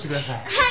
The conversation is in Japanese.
はい！